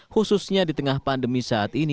khususnya di tengah pandemi saat ini